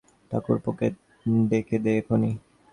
ঠাকুরপোকে ডেকে দে এক্ষুনি।